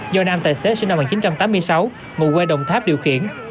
do nam tài xế sinh năm một nghìn chín trăm tám mươi sáu ngụ quê đồng tháp điều khiển